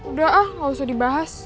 udah ah gak usah dibahas